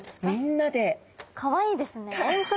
かわいいですね。